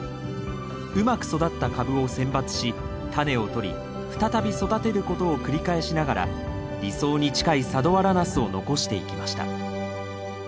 うまく育った株を選抜しタネをとり再び育てることを繰り返しながら理想に近い佐土原ナスを残していきました